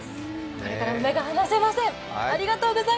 これからも目が離せません。